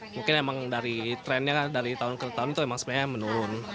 mungkin emang dari trennya dari tahun ke tahun itu emang sebenarnya menurun